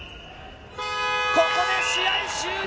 ここで試合終了。